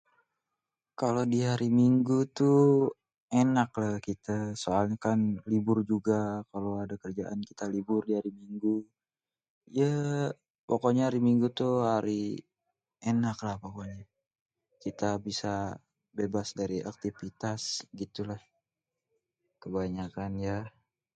Kalo di hari Minggu tuh, ènak lah kitê soalnya kan libur juga. Kalo adê kerjaan, kita libur di hari Minggu. Yêêê... pokoknya Minggu tuh, hari ènak lah pokonyê. Kita bisa bebas dari aktivitas, gitulah kebanyakannyê.